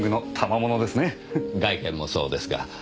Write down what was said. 外見もそうですが。